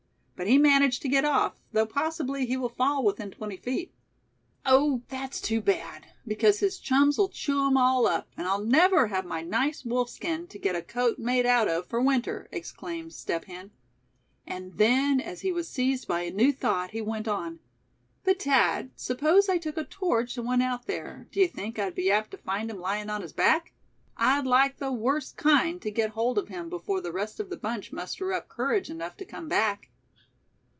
But he managed to get off, though possibly he will fall within twenty feet." "Oh! that's too bad, because his chums'll chew him all up, and I'll never have my nice wolf skin to get a coat made out of for winter," exclaimed Step Hen; and then, as he was seized by a new thought, he went on: "But Thad, suppose I took a torch and went out there, d'ye think I'd be apt to find him lying on his back? I'd like the worst kind to get hold of him before the rest of the bunch muster up courage enough to come back."